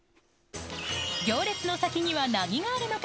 行列の先には何があるのか？